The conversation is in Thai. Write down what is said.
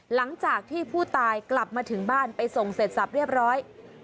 หลังจากที่ผู้ตายกลับมาถึงบ้านไปส่งเสร็จสับเรียบร้อย